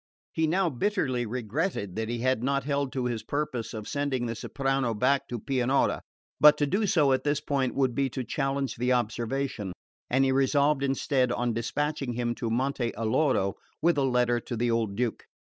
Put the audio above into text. He now bitterly regretted that he had not held to his purpose of sending the soprano back to Pianura; but to do so at this point would be to challenge observation and he resolved instead on despatching him to Monte Alloro with a letter to the old Duke.